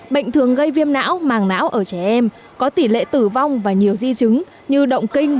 bệnh thường gây viêm não màng não ở trẻ em có tỷ lệ tử vong và nhiều di chứng như động kinh